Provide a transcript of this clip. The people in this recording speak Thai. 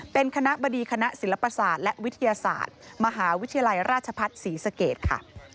เป็นคณะบดีคณะศิลปศาสตร์และวิทยาศาสตร์มหาวิทยาลัยราชพัฒน์ศรีสเกตค่ะ